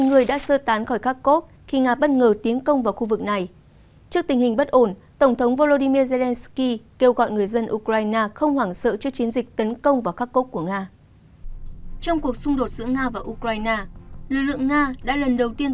nga đã lần đầu tiên tấn công khu vực kharkov vào tháng hai năm hai nghìn hai mươi hai